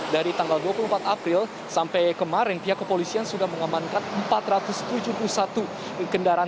dari tanggal dua puluh empat april sampai kemarin pihak kepolisian sudah mengamankan empat ratus tujuh puluh satu kendaraan